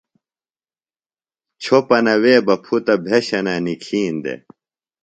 چھوۡپنہ وے بہ پُھتہ بھشَنہ نِکھین دےۡ۔